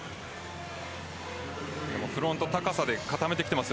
フロント高さで固めてきています。